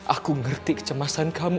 aku ngerti kecemasan kamu